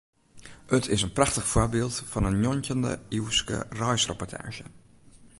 It is in prachtich foarbyld fan in njoggentjinde-iuwske reisreportaazje.